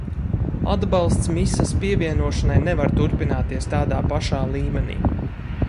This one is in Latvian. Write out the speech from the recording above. Atbalsts misas pievienošanai nevar turpināties tādā pašā līmenī.